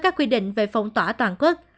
các quy định về phong tỏa toàn quốc